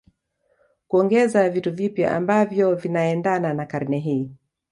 kuongeza vitu vipya ambavyo vinaendana na karne hii